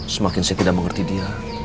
semakin saya tidak mengerti dia